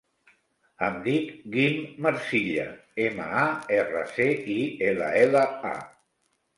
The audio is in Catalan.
Em dic Guim Marcilla: ema, a, erra, ce, i, ela, ela, a.